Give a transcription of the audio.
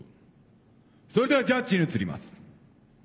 それではジャッジに移ります。